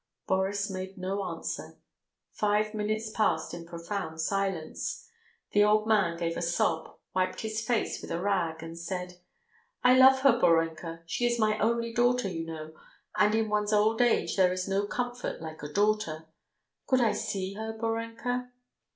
Boris made no answer. Five minutes passed in profound silence. The old man gave a sob, wiped his face with a rag and said: "I love her, Borenka! She is my only daughter, you know, and in one's old age there is no comfort like a daughter. Could I see her, Borenka?"